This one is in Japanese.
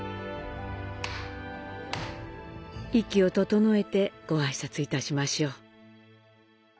息を整えてご挨拶いたしましょう。